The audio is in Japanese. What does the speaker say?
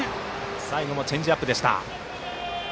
最後もチェンジアップ。